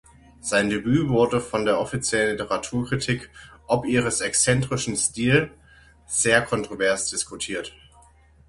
Sein Debüt wurde von der offiziellen Literaturkritik „ob ihres exzentrischen Stil“ sehr kontrovers diskutiert.